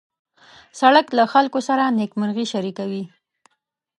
سړک له خلکو سره نېکمرغي شریکوي.